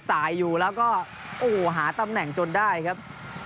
สายอยู่แล้วก็โอ้โหหาตำแหน่งจนได้ครับ